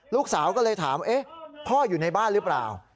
ลูกสาวก็เลยถามพ่ออยู่ในบ้านหรือเปล่า